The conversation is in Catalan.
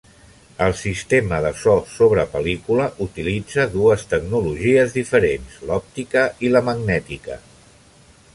El sistema de so sobre pel·lícula utilitza dues tecnologies diferents, l'òptica i la magnètica.